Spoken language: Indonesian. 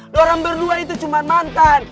lo orang berdua itu cuma mantan